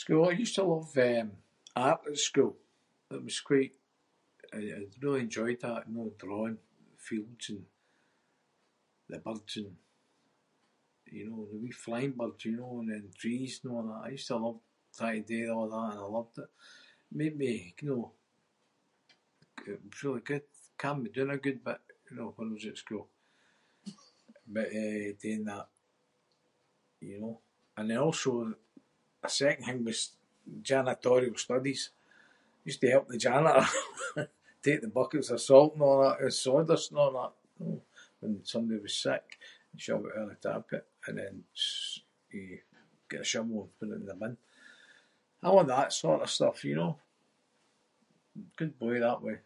School. I used to love, um, art at school. It was quite- I- I really enjoyed that, you know. Drawing fields and the birds and, you know, and the wee flying birds, you know. And then trees and a’ that. I used to love trying to do a’ that and I loved it. Made me, you know- it was really good. Calmed me doon a good bit, you know, when I was at school but, eh, doing that, you know. And I also- a second thing was janitorial studies. Used to help the janitor take the buckets of salt and a’ that. The sawdust and a’ that, you know, when somebody was sick. You’d shove it over the top of it and then s- you got a shovel and put it in the bin. A' that sort of stuff, you know. Good boy that way.